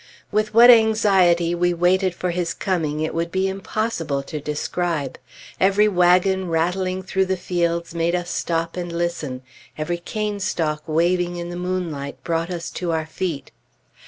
With what anxiety we waited for his coming it would be impossible to describe. Every wagon rattling through the fields made us stop and listen; every canestalk waving in the moonlight brought us to our feet.